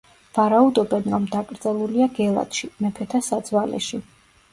ვარაუდობენ, რომ დაკრძალულია გელათში, მეფეთა საძვალეში.